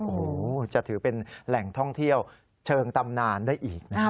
โอ้โหจะถือเป็นแหล่งท่องเที่ยวเชิงตำนานได้อีกนะครับ